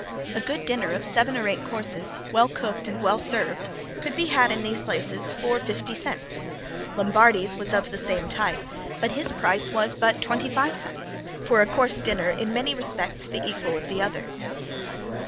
A good dinner of seven or eight courses, well cooked and well served, could be had in these places for fifty cents. Lombardi's was of the same type but his price was but twenty five cents for a course dinner in many respects the equal of the others.